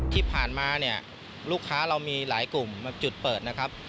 ที่ผ่านมาเนี่ยลูกค้าเรามีหลายกลุ่มจุดเปิดนะครับ